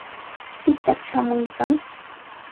¿Pitaq shamuykan?